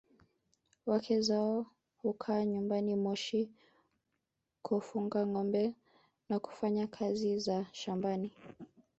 Wake zao hukaa nyumbani Moshi kufuga ngombe na kufanya kazi za shambani